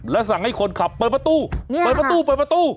แล้วสั่งให้คนขับเปิดประตูเปิดประตูเปิดประตู